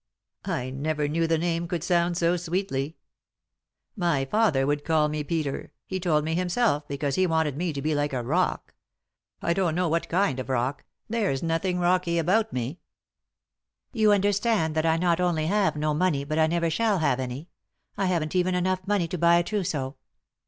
"I never knew the name could sound so sweetly. 210 3i 9 iii^d by Google THE INTERRUPTED KISS My father would call me Peter, he told me himself, because he wanted me to be like a rock. I don't know what kind of rock ; there's nothing rocky about me." " You understand that I not only have no money but I never shall have any. I haven't even enough money to buy a trousseau."